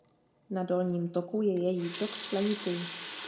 Na dolním toku je její tok členitý.